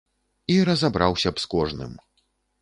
І разабраўся б з кожным.